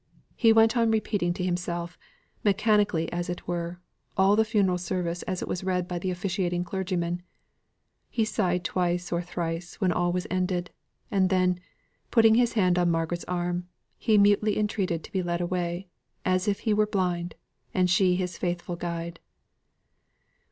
He went on repeating to himself, mechanically as it were, all the funeral service as it was read by the officiating clergyman; he sighed twice or thrice when all was ended; and then, putting his hand on Margaret's arm, he mutely entreated to be led away, as if he were blind, and she his faithful guide.